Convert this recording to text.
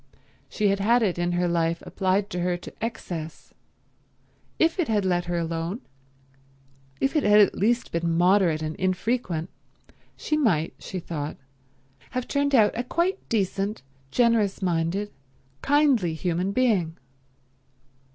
She had had it in her life applied to her to excess. If it had let her alone, if it had at least been moderate and infrequent, she might, she thought, have turned out a quite decent, generous minded, kindly, human being.